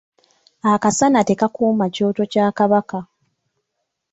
Akasaana tekakuma kyoto kya Kabaka.